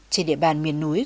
trên địa bàn miền núi